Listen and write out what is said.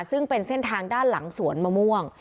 ซึ่งเป็นเส้นทางด้านหลังสวนมะม่วง